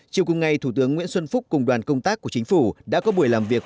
chiều cùng ngày thủ tướng nguyễn xuân phúc cùng đoàn công tác của chính phủ đã có buổi làm việc